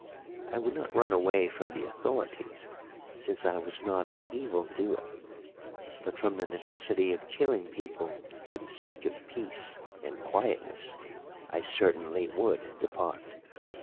I would not run away from the authorities, since I was not an evil doer, but from the necessity of killing people for the sake of peace and quietness I certainly would depart.